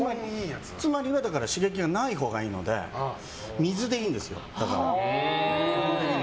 つまりは刺激がないほうがいいので水でいいんですよ、だから。